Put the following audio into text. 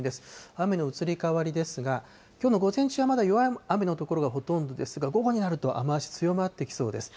雨の移り変わりですが、きょうの午前中はまだ弱い雨の所がほとんどですが、午後になると雨足、強まってきそうです。